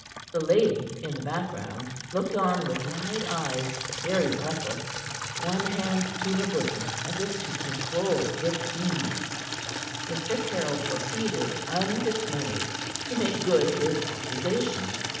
The lady, in the background, looked on with wide eyes, very breathless, one hand to her bosom as if to control its heave. Mr. Caryll proceeded, undismayed, to make good his accusation.